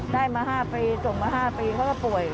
ได้มา๕ปีส่งมา๕ปีเขาก็ป่วย